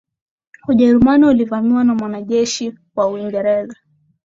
Ujerumani ilivamiwa na wanajeshi wa Uingereza